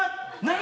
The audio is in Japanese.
何？